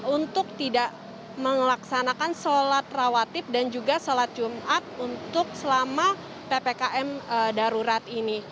untuk tidak melaksanakan sholat rawatib dan juga sholat jumat untuk selama ppkm darurat ini